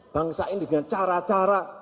bangsa ini dengan cara cara